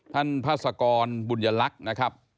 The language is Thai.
ท่านพระศกรบุญลักษณ์นะครับ